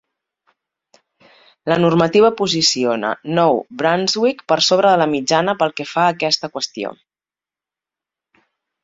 La normativa posiciona Nou Brunswick per sobre de la mitjana pel que fa a aquesta qüestió.